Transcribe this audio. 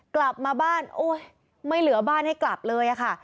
กลับมาบ้านโอ้ยไม่เหลือบ้านให้กลับเลยค่ะ